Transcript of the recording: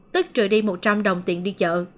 tức trời đi một trăm linh đồng tiền đi chợ